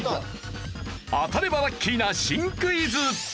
当たればラッキーな新クイズ。